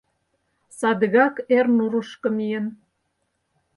Садыгак эр нурышко миен